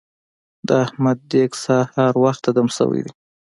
د احمد دېګ سهار وخته دم شوی دی.